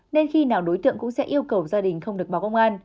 nên khi nào đối tượng cũng sẽ yêu cầu gia đình không được báo công an